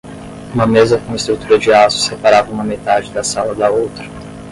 Uma mesa com estrutura de aço separava uma metade da sala da outra.